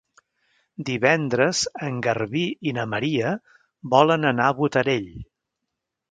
Divendres en Garbí i na Maria volen anar a Botarell.